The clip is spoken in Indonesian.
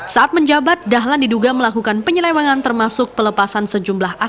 saat menjabat dahlan diduga melakukan penyelewangan termasuk pelepasan sejumlah aset